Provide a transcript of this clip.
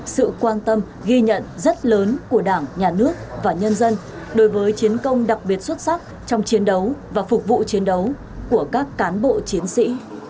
sự quan tâm ghi nhận rất lớn của đảng nhà nước và nhân dân đối với chiến công đặc biệt xuất sắc trong chiến đấu và phục vụ chiến đấu của các cán bộ chiến sĩ